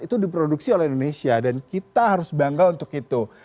itu diproduksi oleh indonesia dan kita harus bangga untuk itu